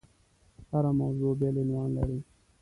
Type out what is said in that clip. هره موضوع بېل عنوان لري.